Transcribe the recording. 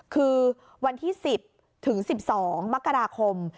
คือวันที่๑๐ถึง๑๒มกราคม